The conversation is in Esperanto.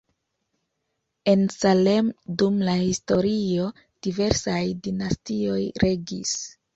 En Salem dum la historio diversaj dinastioj regis.